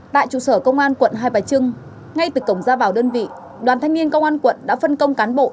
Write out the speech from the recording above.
tại trụ sở công an quận hai bà trưng ngay từ cổng ra vào đơn vị đoàn thanh niên công an quận đã phân công cán bộ